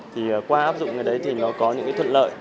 thì qua áp dụng cái đấy thì nó có những cái thuận lợi